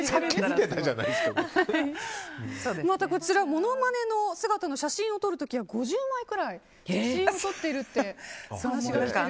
ものまねの姿の写真を撮る時は５０枚くらい写真を撮っているというお話ですが。